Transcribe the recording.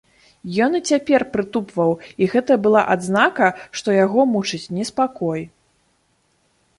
Ён і цяпер прытупваў, і гэта была адзнака, што яго мучыць неспакой.